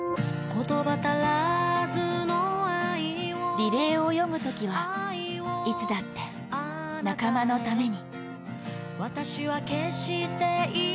リレーを泳ぐときはいつだって仲間のために。